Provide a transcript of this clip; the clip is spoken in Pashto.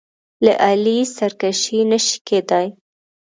له علي سرکشي نه شي کېدای.